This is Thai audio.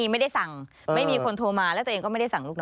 ไม่ได้สั่งไม่มีคนโทรมาแล้วตัวเองก็ไม่ได้สั่งลูกน้อง